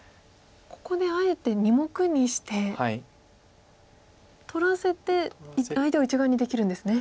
ここであえて２目にして取らせて相手を１眼にできるんですね。